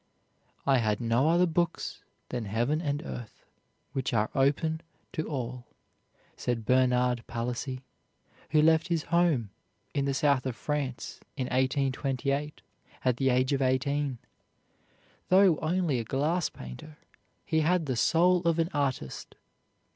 "I had no other books than heaven and earth, which are open to all," said Bernard Palissy, who left his home in the south of France in 1828, at the age of eighteen. Though only a glass painter, he had the soul of an artist.